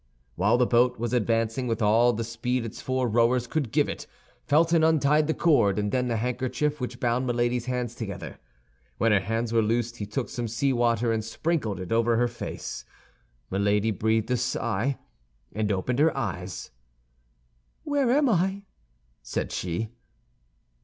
While the boat was advancing with all the speed its four rowers could give it, Felton untied the cord and then the handkerchief which bound Milady's hands together. When her hands were loosed he took some sea water and sprinkled it over her face. Milady breathed a sigh, and opened her eyes. "Where am I?" said she.